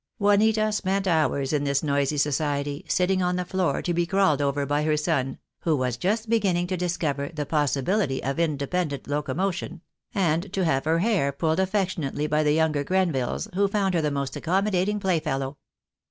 Juanita spent hours in this noisy society, sitting on the floor to be crawled over by her son — who was just beginning to discover the possi bility of independent locomotion — and to have her hair pulled affectionately by the younger Grenvilles, who found her the most accommodating playfellow.